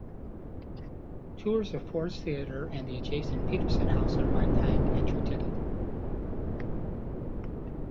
Tours of Ford's Theatre and the adjacent Petersen House are by timed-entry ticket.